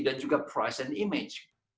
tetapi juga harga dan imej